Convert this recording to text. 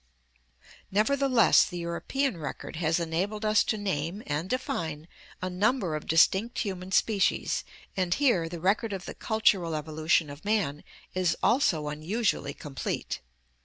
Nevertheless the European record has enabled us to name and define a number of distinct human species and here the record of the cultural evolution of man is also unusually complete.